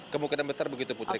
kemungkinan besar begitu putri